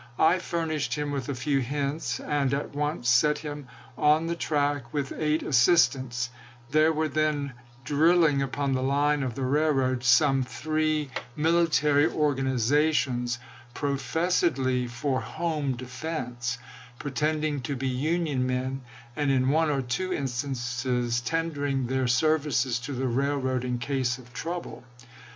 I furnished him with a few hints and at once set him on the track with eight assistants. There were then drilling upon the line of the railroad some three FREDERICK W. SEWARD. LINCOLN'S SECRET NIGHT JOURNEY 305 military organizations, professedly for home defense, pre chap. xx. tending to be Union men, and in one or two instances tendering their services to the railroad in case of trouble.